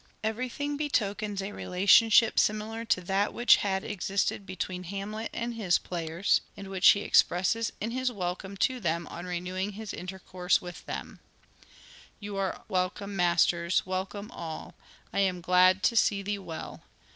Everything betokens a relation ship similar to that which had existed between Hamlet and his players, and which he expresses in his welcome to them on renewing his intercourse with them :" You are welcome, masters ; welcome all. I am glad to see thee well.